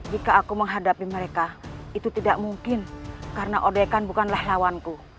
jika aku menghadapi mereka itu tidak mungkin karena odegan bukanlah lawanku